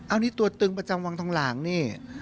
อันนี้ตัวตึงประจำวังทองหลางนี่